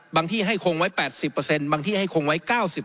ที่ให้คงไว้๘๐บางที่ให้คงไว้๙๐